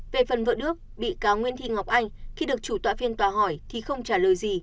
về phần vợ đước bị cáo nguyễn thị ngọc anh khi được chủ tọa phiên tòa hỏi thì không trả lời gì